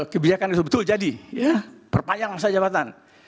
kebijakan itu betul jadi ya perpayangan masyarakat